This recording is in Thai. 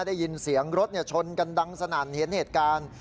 ได้ยินเสียงรถชนกันดังสนั่นเห็นเหตุการณ์